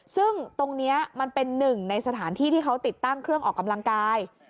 ซึ่งตรงนี้มันเป็นหนึ่งในสถานที่ที่เขาติดตั้งเครื่องออกกำลังกาย